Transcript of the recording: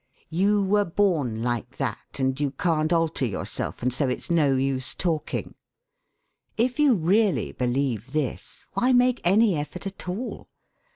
'You were born like that, and you can't alter yourself, and so it's no use talking.' If you really believe this, why make any effort at all?